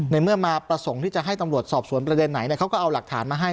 ในเมื่อมาประสงค์ที่จะให้ตำรวจสอบสวนประเด็นไหนเขาก็เอาหลักฐานมาให้